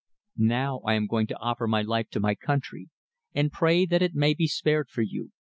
Now I am going to offer my life to my country and pray that it may be spared for you.